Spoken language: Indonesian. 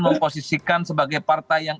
memposisikan sebagai partai yang